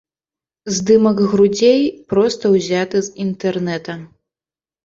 Здымак грудзей проста ўзяты з інтэрнэта.